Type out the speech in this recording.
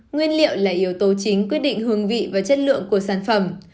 nguyên liệu là yếu tố chính quyết định hương vị và chất lượng của sản phẩm